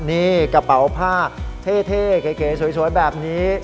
นี่กระเป๋าผ้าเท่เก๋สวยแบบนี้